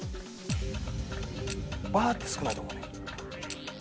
「ば」って少ないと思うねん。